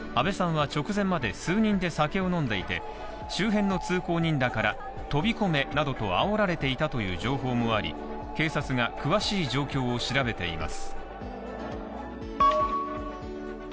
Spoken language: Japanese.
阿部さんは直前まで数人で酒を飲んでいて周辺の通行人だから飛び込めなどと煽られていたという情報もあり警察が詳しい状況を調べています。